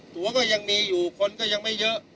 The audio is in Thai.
ตัวก็ยังมีอยู่คนก็ยังไม่เยอะ